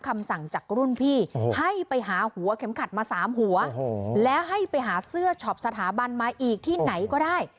มาสามหัวและให้ไปหาเสื้อช็อปสถาบันมาอีกที่ไหนก็ได้